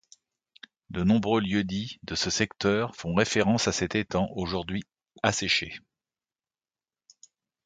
De nombreux lieux-dits de ce secteur font référence à cet étang aujourd'hui asséché.